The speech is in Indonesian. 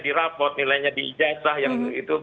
dirapot nilainya diijas lah yang itu